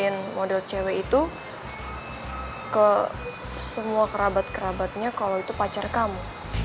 yang model cewek itu ke semua kerabat kerabatnya kalau itu pacar kamu